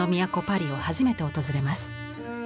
パリを初めて訪れます。